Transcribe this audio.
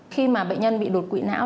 khi mà bệnh nhân bị đột quỵ não